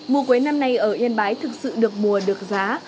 mùa quế năm nay ở yên bái thực sự được mùa được giá